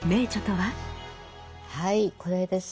はいこれです。